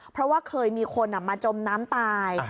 เพราะว่าเคยมีคนมาจมน้ำตาย